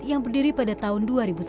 yang berdiri pada tahun dua ribu sepuluh